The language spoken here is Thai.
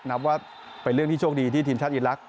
นับว่าเป็นเรื่องที่โชคดีที่ทีมชาติอีลักษ